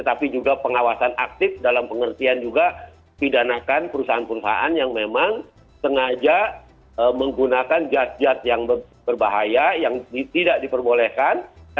tapi juga pengawasan aktif dalam pengertian juga pidanakan perusahaan perusahaan yang memang sengaja menggunakan jad jad yang berbahaya yang tidak diperbolehkan